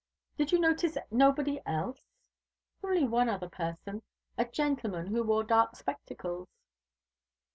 "Did you notice nobody else?" "Only one other person a gentleman who wore dark spectacles."